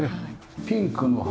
ピンクの花